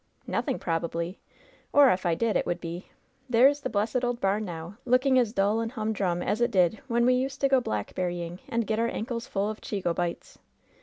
"Nothing, probably ; or if I did, it would be: There's the blessed old bam now, looking as dull and humdrum as it did when we used to go blackberrying and get our ankles full of chego bites.